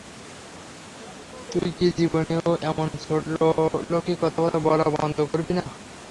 তুই কি জীবনেও এমন ছোটলোকি কথাবার্তা বলা বন্ধ করবি না?